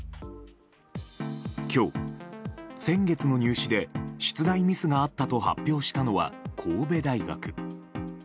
今日、先月の入試で出題ミスがあったと発表したのは神戸大学。